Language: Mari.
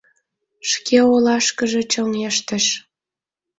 Шке олашкыже чоҥештыш.